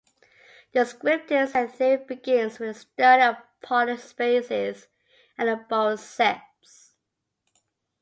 Descriptive set theory begins with the study of Polish spaces and their Borel sets.